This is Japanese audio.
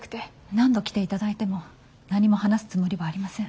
何度来て頂いても何も話すつもりはありません。